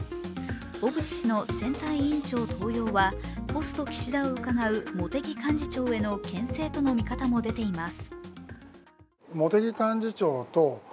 小渕氏の選対委員長登用はポスト岸田をうかがう茂木幹事長へのけん制との見方も出ています。